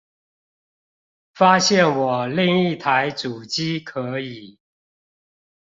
發現我另一台主機可以